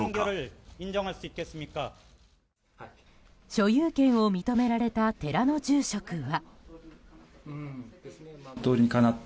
所有権を認められた寺の住職は。